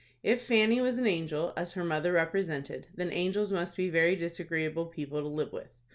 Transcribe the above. If Fanny was an angel, as her mother represented, then angels must be very disagreeable people to live with.